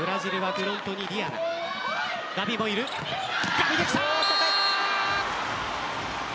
ガビできた。